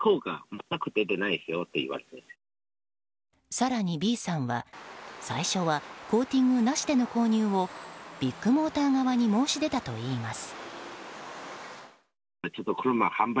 更にＢさんは、最初はコーティングなしでの購入をビッグモーター側に申し出たといいます。